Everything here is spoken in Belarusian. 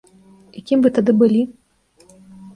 І кім вы тады былі?